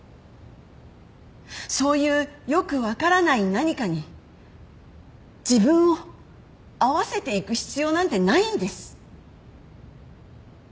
そういうよく分からない何かに自分を合わせていく必要なんてないんです。